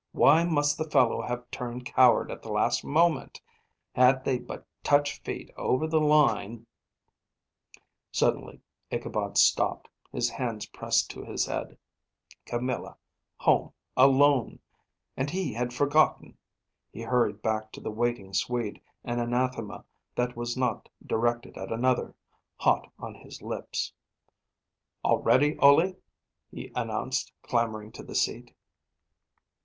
Why must the fellow have turned coward at the last moment? Had they but touched feet over the line Suddenly Ichabod stopped, his hands pressed to his head. Camilla, home alone! And he had forgotten! He hurried back to the waiting Swede, an anathema that was not directed at another, hot on his lips. "All ready, Ole," he announced, clambering to the seat.